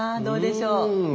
どうでしょう？